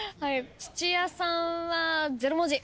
土屋さんは０文字。